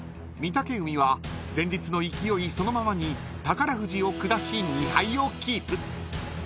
［御嶽海は前日の勢いそのままに宝富士を下し２敗をキープ］